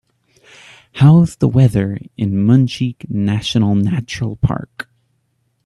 How's the weather in Munchique National Natural Park